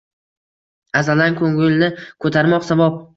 Azaldan ko’ngilni ko’tarmoq savob